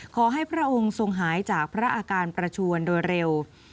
พระองค์ทรงหายจากพระอาการประชวนโดยเร็ว